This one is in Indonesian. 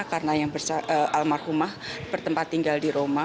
karena yang bersa almarhumah bertempat tinggal di roma